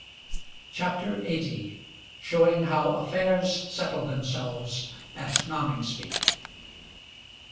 CHAPTER LXXX. SHOWING HOW AFFAIRS SETTLED THEMSELVES AT NONINGSBY.